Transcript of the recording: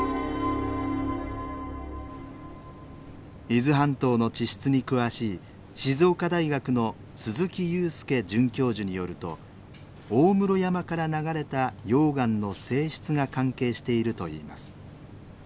伊豆半島の地質に詳しい静岡大学の鈴木雄介准教授によると大室山から流れた溶岩の性質が関係しているといいます。